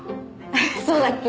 そうだっけ？